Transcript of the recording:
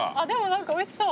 何かおいしそう。